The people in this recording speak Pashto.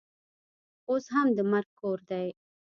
اوس هم د مرګ کور دی.